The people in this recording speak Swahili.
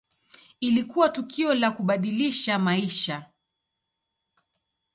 Ilikuwa tukio la kubadilisha maisha.